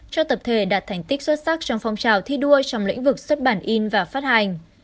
cho tập thể đạt thành tích xuất sắc trong phong trào thi đua trong lĩnh vực xuất bản in và phát hành